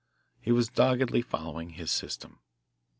He was doggedly following his system.